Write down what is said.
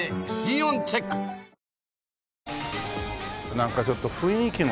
なんかちょっと雰囲気の。